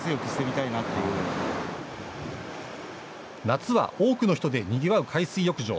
夏は多くの人でにぎわう海水浴場。